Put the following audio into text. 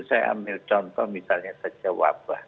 saya ambil contoh misalnya saja wabah